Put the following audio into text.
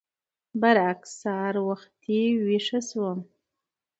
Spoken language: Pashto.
برعکس سهار وختي ويښه شوم.